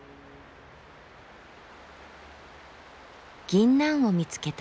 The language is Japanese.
ぎんなんを見つけた。